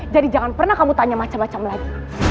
jadi jangan pernah kamu tanya macam macam lagi